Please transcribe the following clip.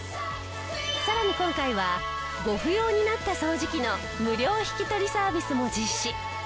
さらに今回はご不要になった掃除機の無料引き取りサービスも実施。